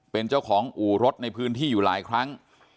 เป็นเจ้าของอู่รถในพื้นที่อยู่หลายครั้ง